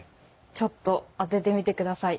ちょっと当ててみてください。